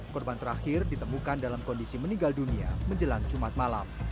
korban terakhir ditemukan dalam kondisi meninggal dunia menjelang jumat malam